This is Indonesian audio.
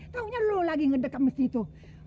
taunya lu lagi ngedeket mesin itu